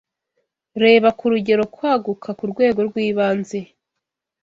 Reba Kurugero kwaguka kurwego rwibanze